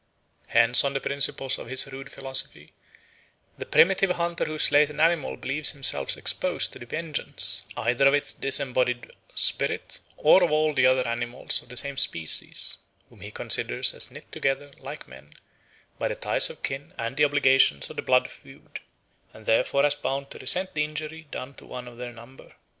Hence on the principles of his rude philosophy the primitive hunter who slays an animal believes himself exposed to the vengeance either of its disembodied spirit or of all the other animals of the same species, whom he considers as knit together, like men, by the ties of kin and the obligations of the blood feud, and therefore as bound to resent the injury done to one of their number.